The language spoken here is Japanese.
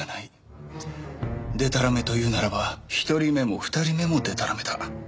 でたらめと言うならば１人目も２人目もでたらめだ。